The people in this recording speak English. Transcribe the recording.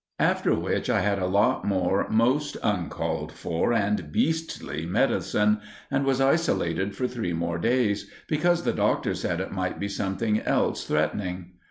After which I had a lot more most uncalled for and beastly medicine, and was isolated for three more days; because the doctor said it might be something else threatening.